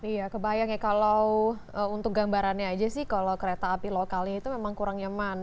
iya kebayang ya kalau untuk gambarannya aja sih kalau kereta api lokalnya itu memang kurang nyaman